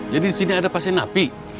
jadi di sini ada pasien nafi